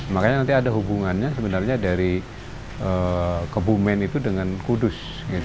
makanya nanti ada hubungannya sebenarnya dari kebumen itu dengan kudus